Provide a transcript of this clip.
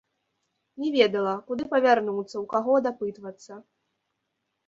Не ведала, куды павярнуцца, у каго дапытвацца.